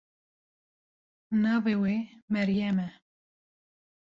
Navê wê Meryem e.